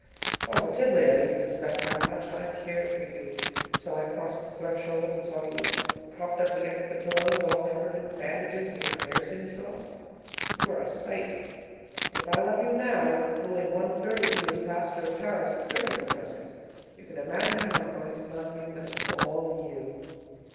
Positively, I didn't suspect how much I cared for you till I crossed the threshold and saw you propped up against the pillows, all covered with bandages, and your hair singed off. You are a sight! If I love you now, when fully one third of you is plaster of Paris and surgical dressing, you can imagine how I'm going to love you when it's all you!